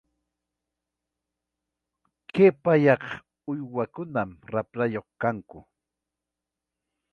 Kay pawaq uywakunam raprayuq kanku.